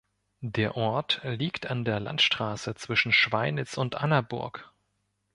Der Ort liegt an der Landstraße zwischen Schweinitz und Annaburg.